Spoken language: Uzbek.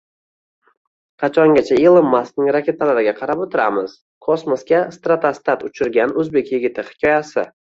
«Qachongacha Ilon Maskning raketalariga qarab o‘tiramiz?» - kosmosga stratostat uchirgan o‘zbek yigiti hikoyasi